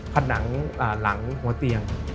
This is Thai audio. ผัฤตหนักหลักหัวเที่ยง